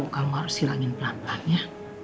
kamu harus silangin pelan pelan ya